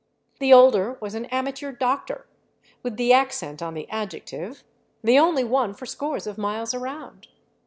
The older was an amateur doctor — with the ac cent on the adjective — the only one for scores of miles around.